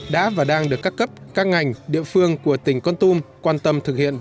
đã và đang được các cấp các ngành địa phương của tỉnh con tum quan tâm thực hiện